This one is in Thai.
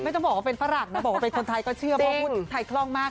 ต้องบอกว่าเป็นฝรั่งนะบอกว่าเป็นคนไทยก็เชื่อเพราะพูดไทยคล่องมาก